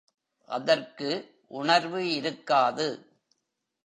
அதற்கு உணர்வு இருக்காது.